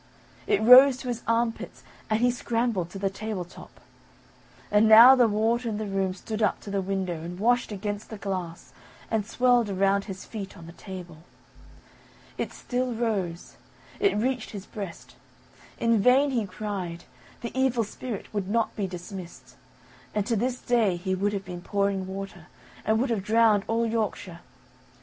It rose to his armpits, and he scrambled to the table top. And now the water in the room stood up to the window and washed against the glass, and swirled around his feet on the table. It still rose; it reached his breast. In vain he cried; the evil spirit would not be dismissed, and to this day he would have been pouring water, and would have drowned all Yorkshire.